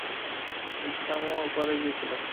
ইকরামাও ওপারে গিয়েছিল।